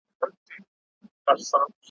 د میني کور وو د فتح او د رابیا کلی دی `